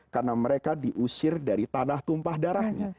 karena mereka diusir dari tanah tumpah darahnya